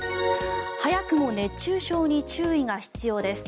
早くも熱中症に注意が必要です。